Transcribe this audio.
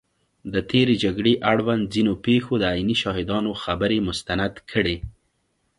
د تېرې جګړې اړوند ځینو پېښو د عیني شاهدانو خبرې مستند کړي